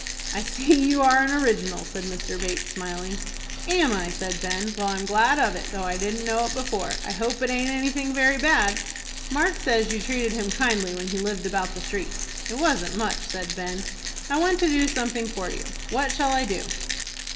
"I see you are an original," said Mr. Bates, smiling. "Am I?" said Ben. "Well, I'm glad of it, though I didn't know it before. I hope it aint anything very bad." "Mark says you treated him kindly when he lived about the street." "It wasn't much," said Ben. "I want to do something for you. What shall I do?"